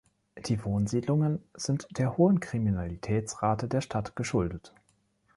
Die Wohnsiedlungen sind der hohen Kriminalitätsrate der Stadt geschuldet.